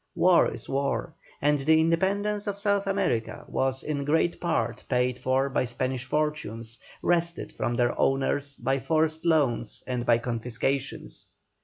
War is war, and the independence of South America was in great part paid for by Spanish fortunes, wrested from their owners by forced loans and by confiscations.